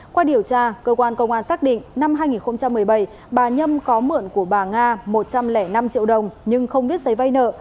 qua điều tra cơ quan công an xác định năm hai nghìn một mươi bảy bà nhâm có mượn của bà nga một trăm linh năm triệu đồng nhưng không viết giấy vay nợ